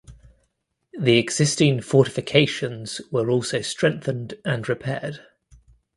The existing fortifications were also strengthened and repaired.